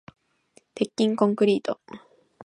鉄筋コンクリート